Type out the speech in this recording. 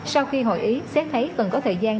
sau khi hội ý xét thấy cần có thời gian